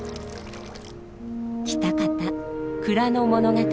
喜多方蔵の物語。